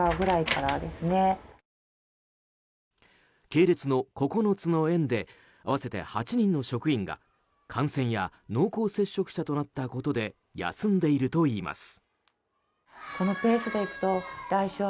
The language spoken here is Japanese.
系列の９つの園で合わせて８人の職員が感染や濃厚接触者となったことで休んでいるといいます。